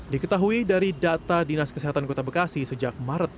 diketahui dari data dinas kesehatan kota bekasi sejak maret